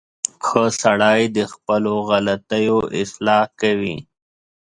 • ښه سړی د خپلو غلطیو اصلاح کوي.